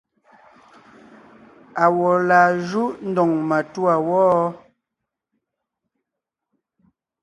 Awɔ̌ laa júʼ ndóŋ matûa wɔ́?